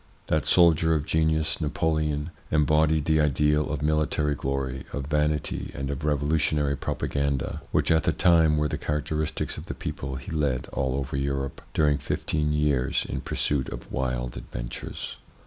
That soldier of genius, Napoleon, embodied the ideal of military glory, of vanity, and of revolutionary propaganda, which at the time were the characteristics of the people he led all over Europe during fifteen years in pursuit of wild adventures.